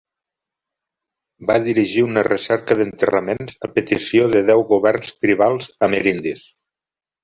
Va dirigir una recerca d'enterraments a petició de deu governs tribals amerindis.